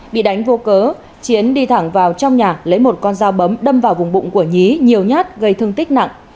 bị đánh vô cớ chiến đi thẳng vào trong nhà lấy một con dao bấm đâm vào vùng bụng của nhí nhiều nhát gây thương tích nặng